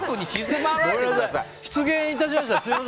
失礼いたしました。